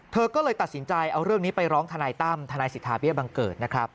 เธอก็เลยตัดสินใจเอาเรื่องนี้ไปร้องทนายตั้มทนายสิทธาเบี้ยบังเกิดนะครับ